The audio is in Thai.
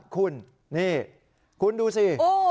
คุณนี่คุณดูสิ